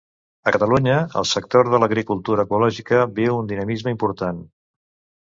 A Catalunya, el sector de l'agricultura ecològica viu un dinamisme important.